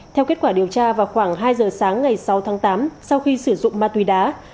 theo kết quả điều tra vào khoảng hai giờ sáng ngày sáu tháng tám sau khi sử dụng ma túy đá